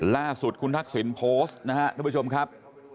ล่าสุดคุณทักษิณโพสต์นะครับทุกผู้ชมครับ